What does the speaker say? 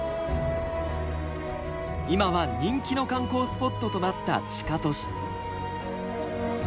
今は人気の観光スポットとなった地下都市。